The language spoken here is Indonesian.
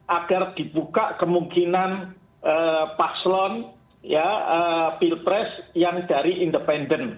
agar dibuka kemungkinan paslon pilpres yang dari independen